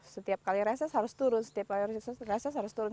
setiap kali reses harus turun setiap reses reses harus turun